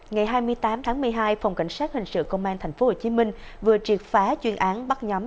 ngày hai mươi tám tháng một mươi hai phòng cảnh sát hình sự công an tp hcm vừa triệt phá chuyên án bắt nhóm